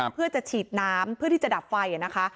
เพื่อจะฉีดน้ำเพื่อที่จะดับไฟนะคะ